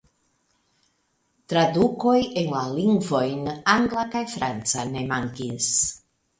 Tradukoj en la lingvojn angla kaj franca ne mankis.